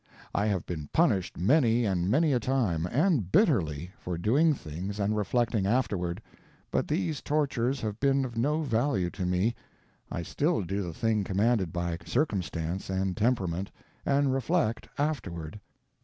I have been punished many and many a time, and bitterly, for doing things and reflecting afterward, but these tortures have been of no value to me; I still do the thing commanded by Circumstance and Temperament, and reflect afterward.